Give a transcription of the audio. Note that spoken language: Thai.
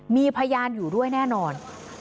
มีพยานอยู่ด้วยแน่นอน